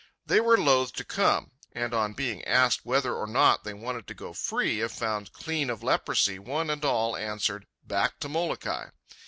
They were loath to come; and, on being asked whether or not they wanted to go free if found clean of leprosy, one and all answered, "Back to Molokai."